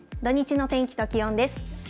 土日の天気と気温です。